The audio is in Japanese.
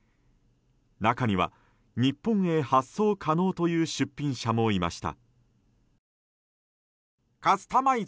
中には、日本へ発送可能という出品者もいました。